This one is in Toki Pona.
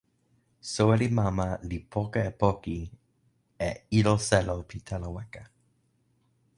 soweli mama li poka e poki, e ilo selo pi telo weka.